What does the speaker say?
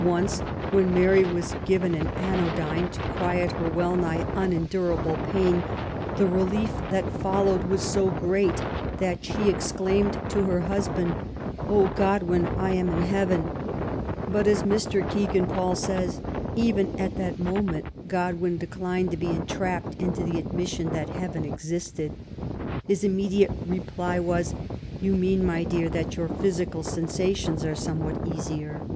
Once when Mary was given an anodyne to quiet her well nigh unendurable pain, the relief that followed was so great that she exclaimed to her husband, ^* Oh, Godwin, I am in heaven 1 '' But, as Mr. Kegan Paul says, *' even at that moment Godwin declined to be entrapped into the admission that heaven existed.^^ His immediate reply was, You mean, my dear, that your physical sensations are somewhat easier.''